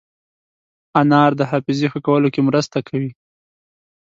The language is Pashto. انار د حافظې ښه کولو کې مرسته کوي.